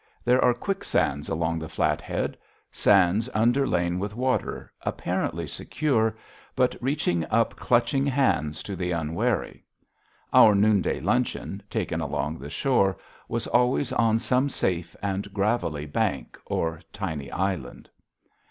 There are quicksands along the Flathead, sands underlain with water, apparently secure but reaching up clutching hands to the unwary. Our noonday luncheon, taken along the shore, was always on some safe and gravelly bank or tiny island.